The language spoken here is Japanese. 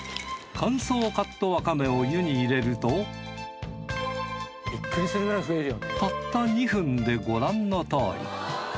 乾燥カットわかめを湯に入れるとたった２分でご覧のとおり。